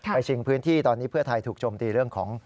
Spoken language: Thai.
ชิงพื้นที่ตอนนี้เพื่อไทยถูกโจมตีเรื่องของ